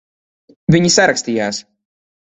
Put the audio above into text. Viņi sarakstījās.